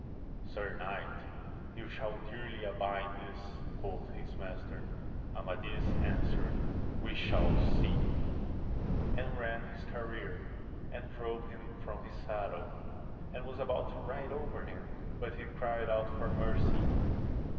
Sir knight, you shall dearly abide this, quoth his master. Amadis answered, We shall see ! and ran his career and drove him from his saddle, and was about to ride over him, but he cried out for mercy